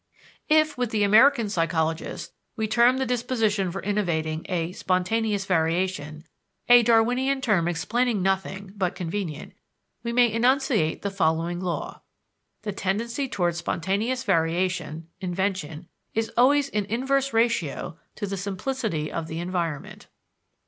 If, with the American psychologists, we term the disposition for innovating a "spontaneous variation" a Darwinian term explaining nothing, but convenient we may enunciate the following law: _The tendency toward spontaneous variation (invention) is always in inverse ratio to the simplicity of the environment.